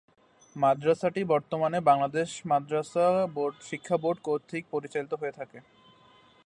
মাদ্রাসাটি বর্তমানে বাংলাদেশ মাদ্রাসা শিক্ষাবোর্ড কতৃক পরিচালিত হয়ে থাকে।